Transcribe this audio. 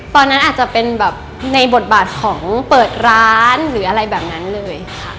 ตอนนั้นอาจจะเป็นแบบในบทบาทของเปิดร้านหรืออะไรแบบนั้นเลยค่ะ